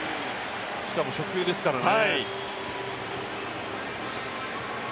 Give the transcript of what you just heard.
しかも初球ですからね。